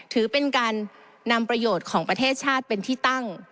ถือเป็นการนำประโยชน์ของประเทศชาติเป็นที่ตั้ง